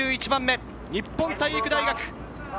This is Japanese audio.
２１番目、日本体育大学。